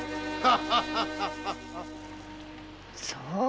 そう。